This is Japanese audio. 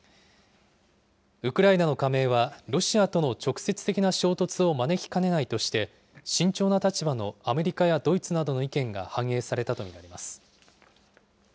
ウクライナの加盟は、ロシアとの直接的な衝突を招きかねないとして、慎重な立場のアメリカやドイツなどの意見が反映されたと見られます。